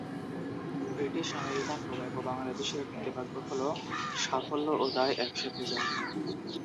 British American tobacco বাংলাদেশের নীতিবাক্য হল "সাফল্য ও দায় একসাথে যাক"।